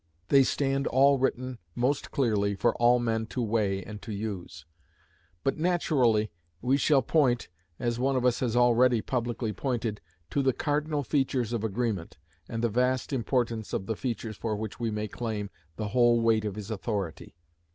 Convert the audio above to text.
They stand all written most clearly for all men to weigh and to use. But naturally we shall point, as one of us has already publicly pointed, to the cardinal features of agreement, and the vast importance of the features for which we may claim the whole weight of his authority.